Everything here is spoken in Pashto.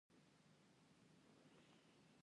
دا حديث امام احمد په خپل مسند کي روايت کړی